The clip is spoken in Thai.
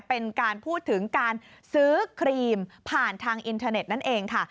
เป็นการพูดถึงการซื้อครีมผ่านทางอินเทอร์เน็ตนั่นเองค่ะ